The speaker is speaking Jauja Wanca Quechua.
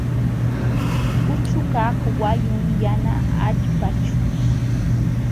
Uchukaq wayun yana allpaćhu.